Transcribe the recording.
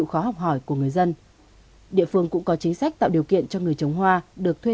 khó học hỏi của người dân địa phương cũng có chính sách tạo điều kiện cho người trồng hoa được thuê